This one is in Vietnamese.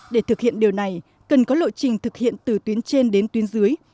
để thực hiện điều này cần có lộ trình thực hiện từ tuyến trên đến tuyến dưới